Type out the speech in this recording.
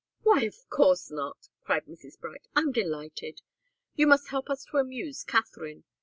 "Why, of course not!" cried Mrs. Bright. "I'm delighted. You must help us to amuse Katharine.